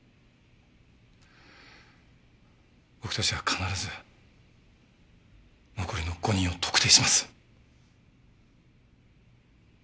僕たちは必ず残りの５人を特定します。